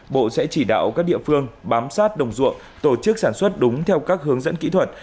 bộ sẽ chỉ đạo các địa phương bám sát đồng ruộng tổ chức sản xuất đúng theo các hướng dẫn kỹ thuật